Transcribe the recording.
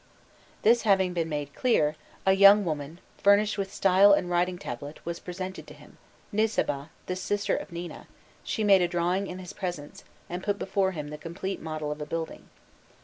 This having been made clear, a young woman furnished with style and writing tablet was presented to him Nisaba, the sister of Nina; she made a drawing in his presence, and put before him the complete model of a building.